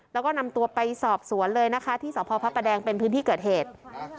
แล้วก็นำตัวไปสอบสวนเลยนะคะที่สพพระประแดงเป็นพื้นที่เกิดเหตุ